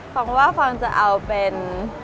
ฟังว่าฟองจะเอาเป็น